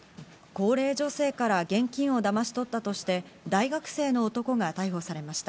高齢女性から現金をだまし取ったとして、大学生の男が逮捕されました。